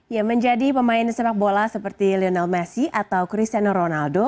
ya menjadi pemain sepak bola seperti lionel messi atau cristiano ronaldo